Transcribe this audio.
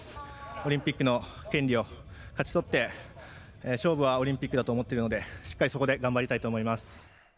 オリンピックの権利を勝ち取って、勝負はオリンピックだと思っているので、しっかりそこで頑張りた